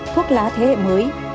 thuốc lá thế hệ mới